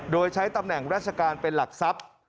โดยใช้ตำแหน่งราชการเป็นหลักทรัพย์